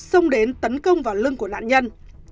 xông đến tấn công vào lưng của nạn nhân